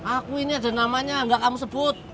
aku ini ada namanya enggak kamu sebut